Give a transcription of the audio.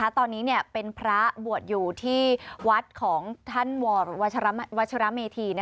ตอนนี้เป็นพระบวชอยู่ที่วัดของท่านวรวัชรเมธี